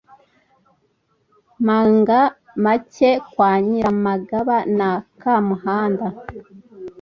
manga make kwa nyiramagaba na kamuhanda